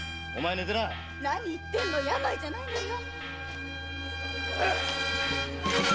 なに言ってるの病じゃないよ。